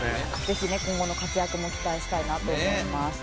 ぜひね今後の活躍も期待したいなと思います。